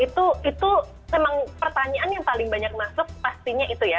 itu memang pertanyaan yang paling banyak masuk pastinya itu ya